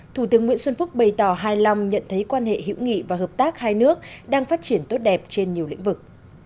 thủ tướng nguyễn xuân phúc bày tỏ hài lòng nhận thấy quan hệ hữu nghị và hợp tác hai nước đang phát triển tốt đẹp trên nhiều lĩnh vực